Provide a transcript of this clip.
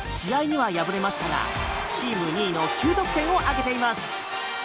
試合には敗れましたがチーム２位の９得点を挙げています。